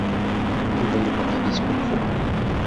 Yuba yebɣa ad yesgunfu?